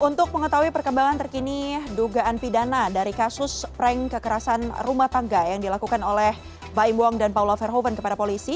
untuk mengetahui perkembangan terkini dugaan pidana dari kasus prank kekerasan rumah tangga yang dilakukan oleh baim wong dan paula verhoeven kepada polisi